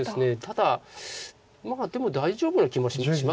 ただまあでも大丈夫な気もします